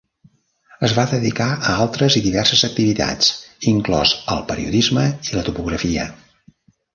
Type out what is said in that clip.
Es va dedicar a altres i diverses activitats, inclòs el periodisme i la topografia.